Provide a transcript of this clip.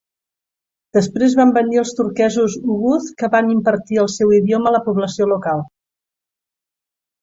Després van venir els turquesos Oghuz, que van impartir el seu idioma a la població local.